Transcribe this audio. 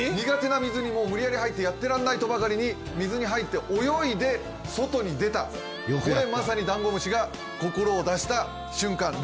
苦手な水に無理やり入って「やってらんない」とばかりに水に入って泳いで外に出たこれまさにダンゴムシが心を出した瞬間